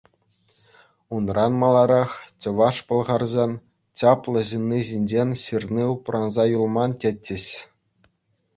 Унран маларах чӑваш-пӑлхарсен чаплӑ ҫынни ҫинчен ҫырни упранса юлман, тетчӗҫ.